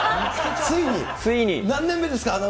ついに？何年目ですか？